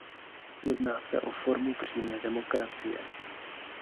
Jedná se o formu přímé demokracie.